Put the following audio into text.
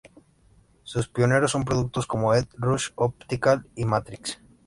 Sus pioneros son productores como Ed Rush, Optical y Matrix.